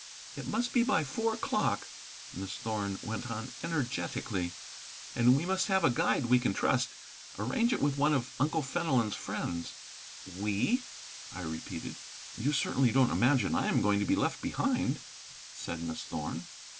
"It must be by four o'clock," Miss Thorn went on energetically, "and we must have a guide we can trust. Arrange it with one of Uncle Fenelon's friends." "We?" I repeated. "You certainly don't imagine that I am going to be left behind?" said Miss Thorn.